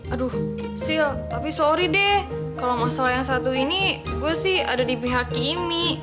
aduh sil tapi sorry deh kalau masalah yang satu ini gue sih ada di pihak ini